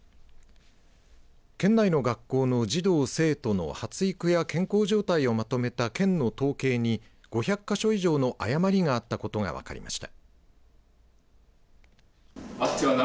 県内の学校の児童、生徒の発育や健康状態をまとめた県の統計に５００か所以上の誤りがあったことが分かりました。